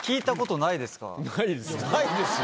ないですよ。